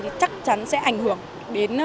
thì chắc chắn sẽ ảnh hưởng đến